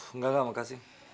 enggak enggak makasih